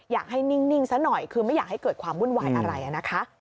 นิ่งซะหน่อยคือไม่อยากให้เกิดความวุ่นวายอะไรนะคะ